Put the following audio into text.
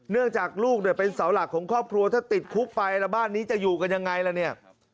เนื่องจากลูกโดยเป็นสาวหลักของครอบครัวถ้าติดคุกไปแล้วบ้านนี้จะอยู่กันยังไง